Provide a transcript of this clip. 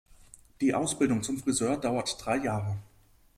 Die Ausbildung zum Friseur dauert drei Jahre.